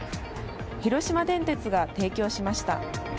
広島電鉄が提供しました。